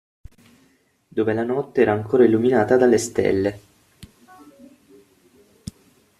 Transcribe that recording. Dove la notte era ancora illuminata dalle stelle.